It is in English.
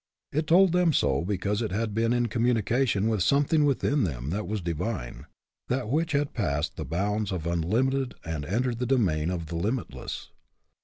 It told them so because it had been in com munication with something within them that was divine, that which had passed the bounds of the limited and had entered the domain of the limitless.